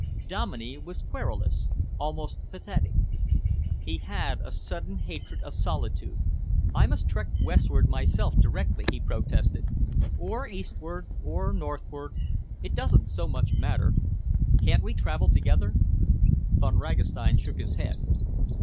Dominey was querulous, almost pathetic. He had a sudden hatred of solitude. "I must trek westward myself directly," he protested, "or eastward, or northward it doesn't so much matter. Can't we travel together?" Von Ragastein shook his head.